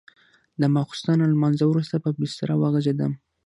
د ماخستن له لمانځه وروسته په بستره وغځېدم.